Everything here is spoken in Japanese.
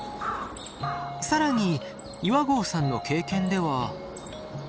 更に岩合さんの経験では。